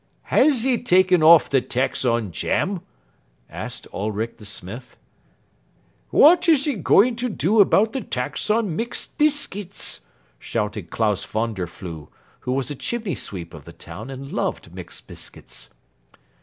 "Has he taken off the tax on jam?" asked Ulric the smith. "What is he going to do about the tax on mixed biscuits?" shouted Klaus von der Flue, who was a chimney sweep of the town and loved mixed biscuits.